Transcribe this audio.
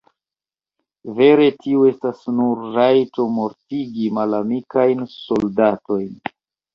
Vere tiu estas nur rajto mortigi malamikajn soldatojn.